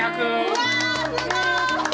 うわすごい！